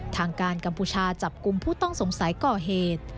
ทางการกัมพูชาจับกลุ่มผู้ต้องสงสัยก่อเหตุ